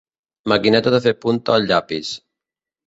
Maquineta de fer punta al llapis.